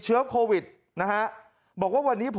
ขอเลื่อนสิ่งที่คุณหนูรู้สึก